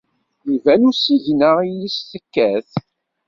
Iban usigna i yis tekkat.